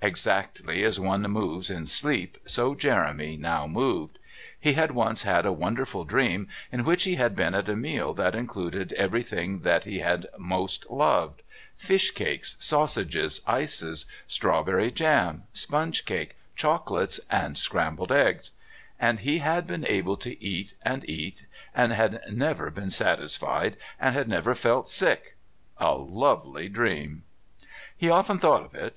Exactly as one moves in sleep so Jeremy now moved. He had once had a wonderful dream, in which he had been at a meal that included every thing that he had most loved fish cakes, sausages, ices, strawberry jam, sponge cake, chocolates, and scrambled eggs and he had been able to eat, and eat, and had never been satisfied, and had never felt sick a lovely dream. He often thought of it.